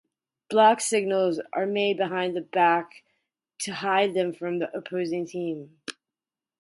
Block signals are made behind the back to hide them from the opposing team.